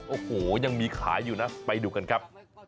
โอ้โหยังมีขายอยู่นะไปดูกันครับ